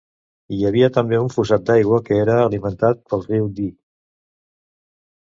Hi havia també un fossat d'aigua que era alimentat pel riu Dee.